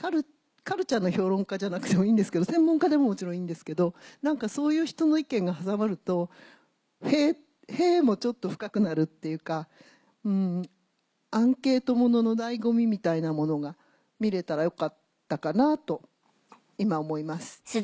カルチャーの評論家じゃなくてもいいんですけど専門家でももちろんいいんですけどそういう人の意見が挟まるとへぇ「へぇ」もちょっと深くなるっていうかアンケートものの醍醐味みたいなものが見れたらよかったかなと今思います。